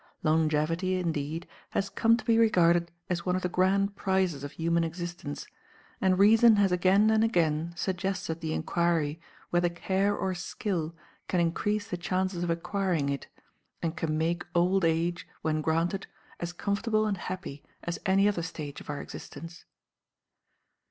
Longevity, indeed, has come to be regarded as one of the grand prizes of human existence, and reason has again and again suggested the inquiry whether care or skill can increase the chances of acquiring it, and can make old age, when granted, as comfortable and happy as any other stage of our existence.